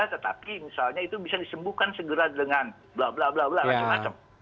tetapi misalnya itu bisa disembuhkan segera dengan bla bla bla bla macam macam